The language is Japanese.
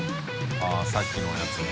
あっさっきのやつね。